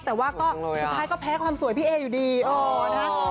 แต่ว่าก็สุดท้ายก็แพ้ความสวยพี่เออยู่ดีเออนะฮะ